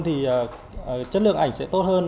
thì chất lượng ảnh sẽ tốt hơn